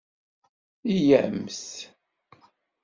Yya-mt!